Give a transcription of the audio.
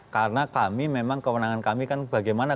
karena kewenangan kami kan bagaimana